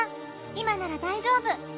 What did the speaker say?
いまならだいじょうぶ。